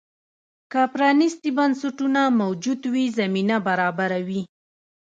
که پرانیستي بنسټونه موجود وي، زمینه برابروي.